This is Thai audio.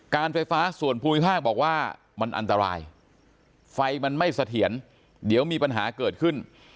การไฟฟ้าส่วนภูมิภาคบอกว่ามันอันตรายไฟมันไม่เสถียรเดี๋ยวมีปัญหาเกิดขึ้น